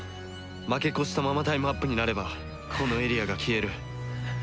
負け越したままタイムアップになればこのエリアが消える。